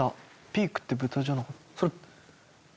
「ピークって豚じゃなかった？」